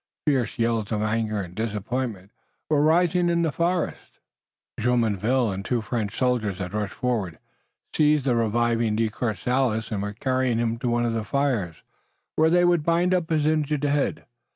Fierce yells of anger and disappointment were rising in the forest. Jumonville and two French soldiers had rushed forward, seized the reviving De Courcelles and were carrying him to one of the fires, where they would bind up his injured head.